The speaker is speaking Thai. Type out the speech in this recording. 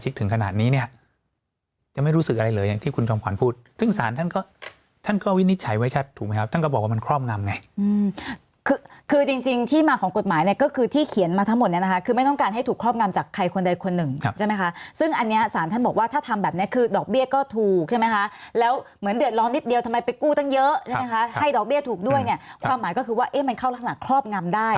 คือจริงจริงที่มาของกฎหมายเนี้ยก็คือที่เขียนมาทั้งหมดเนี้ยนะคะคือไม่ต้องการให้ถูกครอบงำจากใครคนใดคนหนึ่งใช่ไหมค่ะซึ่งอันเนี้ยสารท่านบอกว่าถ้าทำแบบเนี้ยคือดอกเบี้ยก็ถูกใช่ไหมค่ะแล้วเหมือนเดือดร้อนนิดเดียวทำไมไปกู้ตั้งเยอะใช่ไหมค่ะให้ดอกเบี้ยถูกด้วยเนี้ยความหมายก็คือว่าเอ๊ะม